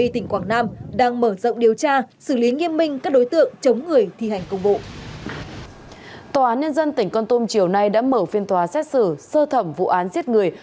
tòa án nhân dân tỉnh con tôm chiều nay đã mở phiên tòa xét xử sơ thẩm vụ án giết người